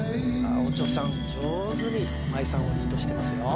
オチョさん上手に舞さんをリードしてますよ